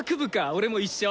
俺も一緒。